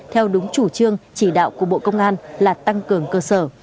theo đúng chủ trương chỉ đạo của bộ công an là tăng cường cơ sở